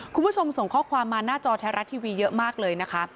คุณผู้ชมส่งข้อความมาหน้าจอแท้รัฐทีวีเยอะมากเลยนะคะ